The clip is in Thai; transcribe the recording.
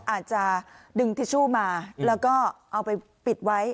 อาจจะดึงทิชชู่มาแล้วก็เอาไปปิดไว้